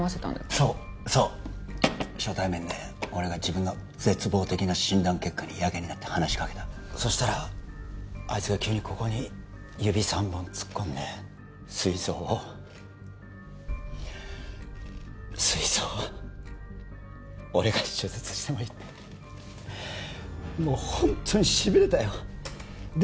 そうそう初対面で俺が自分の絶望的な診断結果にやけになって話しかけたそしたらあいつが急にここに指３本突っ込んですい臓をすい臓を俺が手術してもいいってもうホントにしびれたよで